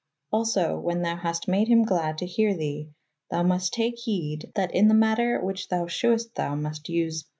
^ Also wha« thou haste made hym gladde to here the, thou must take hede that in the matter which thou shewest thou must vse